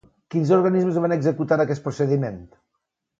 Quins organismes van executar aquest procediment?